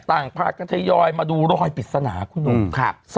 ต่างพากันทยอยมาดูรอยปริศนาคุณหนุ่ม